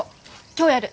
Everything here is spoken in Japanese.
今日やる！